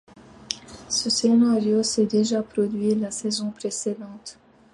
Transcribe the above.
Ce scénario c'est déjà produit la saison précédente.